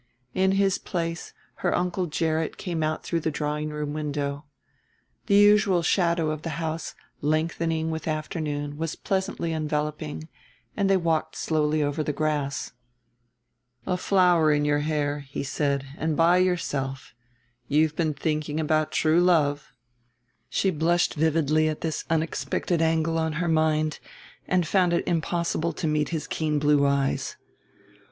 In his place her Uncle Gerrit came out through the drawing room window. The usual shadow of the house, lengthening with afternoon, was pleasantly enveloping, and they walked slowly over the grass. "A flower in your hair," he said, "and by yourself. You have been thinking about true love." She blushed vividly at this unexpected angle on her mind and found it impossible to meet his keen blue eyes.